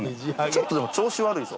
ちょっとでも調子悪いぞ。